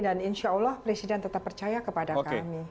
dan insya allah presiden tetap percaya kepada kami